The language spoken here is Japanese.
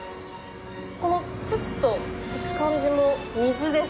このスッといく感じも水です。